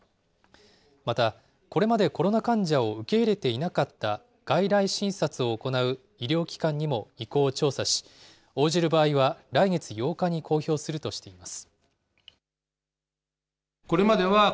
また、これまでコロナ患者を受け入れていなかった外来診察を行う医療機関にも意向を調査し、応じる場合は来月８日に公表するとしています。